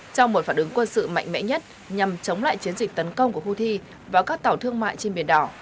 trong một phản ứng quân sự mạnh mẽ nhất nhằm chống lại chiến dịch tấn công của houthi vào các tàu thương mại trên biển đỏ